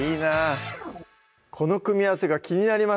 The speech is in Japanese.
この組み合わせが気になります